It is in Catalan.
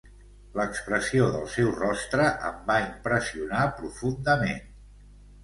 L'expressió del seu rostre em va impressionar profundament